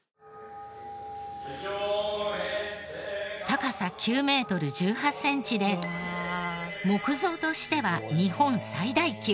高さ９メートル１８センチで木造としては日本最大級。